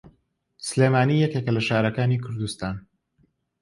سلێمانی یەکێکە لە شارەکانی کوردستان.